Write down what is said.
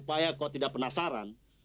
kalau kau tidak penasaran